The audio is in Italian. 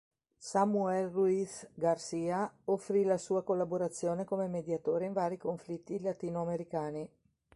Samuel Ruiz García offrì la sua collaborazione come mediatore in vari conflitti latinoamericani.